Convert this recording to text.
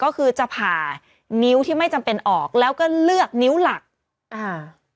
ก็คือจะผ่านิ้วที่ไม่จำเป็นออกแล้วก็เลือกนิ้วหลักอ่า